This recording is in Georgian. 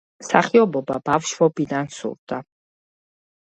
მსახიობობა ბავშვობიდან სურდა.